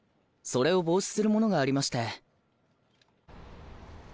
それを防止するものがありまして。